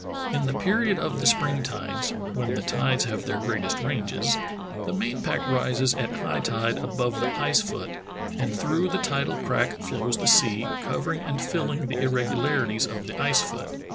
In the period of the spring tides (when the tides have their greatest ranges) the main pack rises at high tide above the ice foot, and through the tidal crack flows the sea, covering and filling the irregularities of the ice foot.